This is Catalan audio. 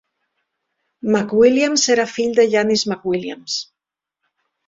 McWilliams era fill de Janice McWilliams.